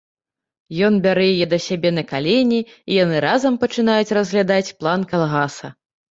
Ён бярэ яе да сябе на калені, і яны разам пачынаюць разглядаць план калгаса.